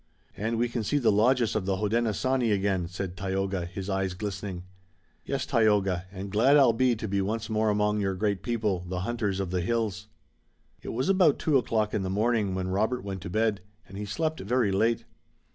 "And we can see the lodges of the Hodenosaunee again," said Tayoga, his eyes glistening. "Yes, Tayoga, and glad I'll be to be once more among your great people, the hunters of the hills." It was about two o'clock in the morning, when Robert went to bed, and he slept very late.